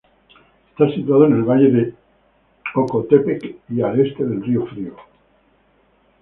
Está situado en el Valle de Ocotepeque y al este del Río Frío.